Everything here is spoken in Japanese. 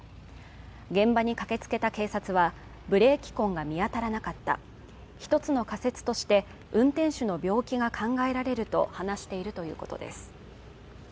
現場に駆け付けた警察はブレーキ痕が見当たらなかった一つの仮説として運転手の病気が考えられると話しているということです